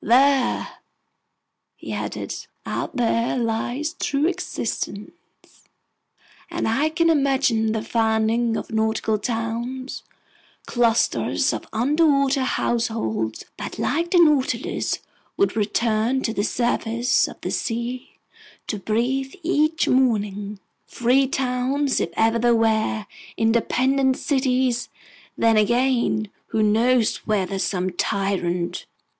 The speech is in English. "There," he added, "out there lies true existence! And I can imagine the founding of nautical towns, clusters of underwater households that, like the Nautilus, would return to the surface of the sea to breathe each morning, free towns if ever there were, independent cities! Then again, who knows whether some tyrant